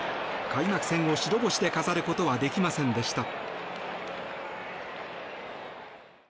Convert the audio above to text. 開幕戦を白星で飾ることはできませんでした。